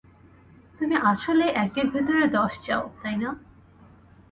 তুমি আসলেই একের ভেতরে দশ চাও, তাই না?